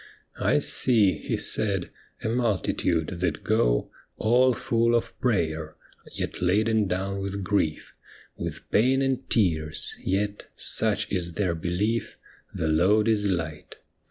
" "I see," he said, " a muhitude, that go All full of prayer, yet laden down with grief, With pain and tears, yet, such is their belief. The load is light."